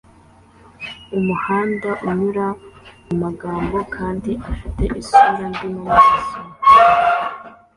umuhanda unyura mumagambo kandi afite isura mbi mumaso